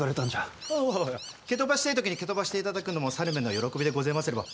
おお蹴飛ばしてぇ時に蹴飛ばしていただくのも猿めの喜びでごぜますれば。